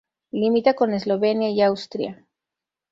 Limita con Eslovenia y Austria.